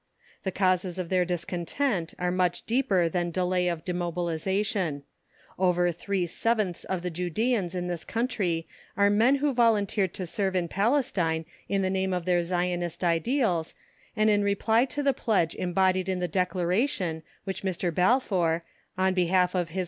The causes of their discontent are much deeper than delay of Demobilization. Over 3/7ths of the Judæans in this country are men who volunteered to serve in Palestine in the name of their Zionist ideals, and in reply to the pledge embodied in the declaration which Mr. Balfour, on behalf of H.M.